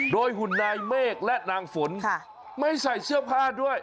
โดยหุ่นนายเมฆและนางฝนไม่ใส่เสื้อผ้าด้วย